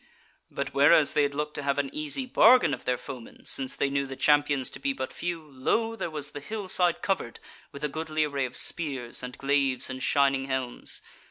But whereas they had looked to have an easy bargain of their foemen, since they knew the Champions to be but a few, lo! there was the hillside covered with a goodly array of spears and glaives and shining helms.